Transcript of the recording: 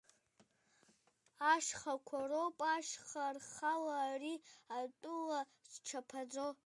Ашьхақәа роуп, ашьха рхала, ари атәыла зчаԥаӡо.